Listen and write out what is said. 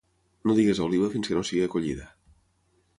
No diguis oliva fins que no sigui collida.